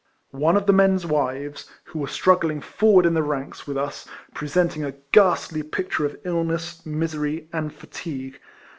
One of the men's wires (who was struggling forward in the ranks with us, presenting a ghastly picture of illness, misery, and fatigue.)